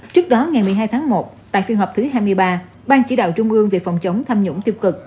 trước đó ngày một mươi hai tháng một tại phiên họp thứ hai mươi ba ban chỉ đạo trung ương về phòng chống tham nhũng tiêu cực